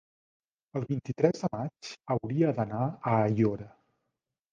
El vint-i-tres de maig hauria d'anar a Aiora.